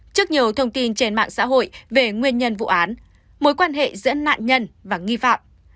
trước nhiều thông tin trên mạng xã hội về nguyên nhân vụ án mối quan hệ giữa nạn nhân và nghi phạm